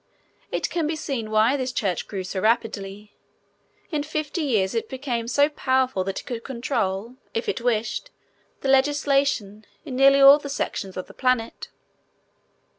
It can be seen why this church grew so rapidly. In fifty years it became so powerful that it could control, if it wished, the legislation in nearly all the sections of the planet.